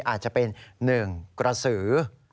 อาจจะเป็นหนึ่งกระสือ